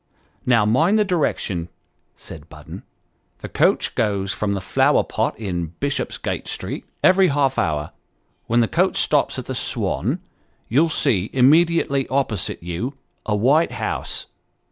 " Now mind the direction," said Budden : the coach goes from the Flower pot, in Bishopsgate Street, every half hour. When the coach stops at the Swan, you'll see, immediately opposite you, a white house."